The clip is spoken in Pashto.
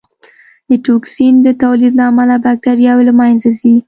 د ټوکسین د تولید له امله بکټریاوې له منځه ځي.